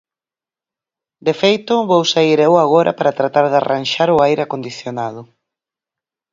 De feito, vou saír eu agora para tratar de arranxar o aire acondicionado.